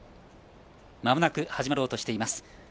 まもなく始まろうとしています。